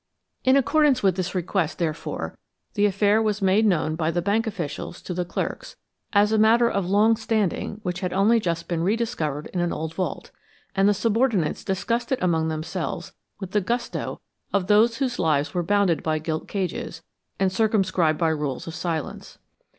In accordance with this request, therefore, the affair was made known by the bank officials to the clerks as a matter of long standing which had only just been rediscovered in an old vault, and the subordinates discussed it among themselves with the gusto of those whose lives were bounded by gilt cages, and circumscribed by rules of silence.